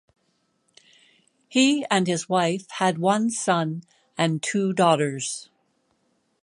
He and his wife had one son and two daughters.